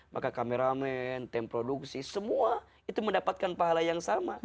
maka kameramen tim produksi semua itu mendapatkan pahala yang sama